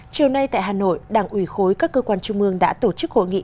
chiều nay tại hà nội đảng ủy khối các cơ quan trung mương đã tổ chức hội nghị